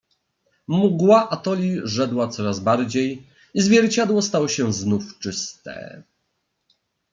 "Mgła atoli rzedła coraz bardziej, i zwierciadło stało się znów czyste."